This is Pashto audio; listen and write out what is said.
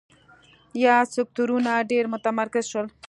یاد سکتورونه ډېر متمرکز شول.